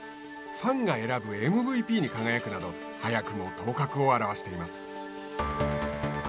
ファンが選ぶＭＶＰに輝くなど早くも頭角を現しています。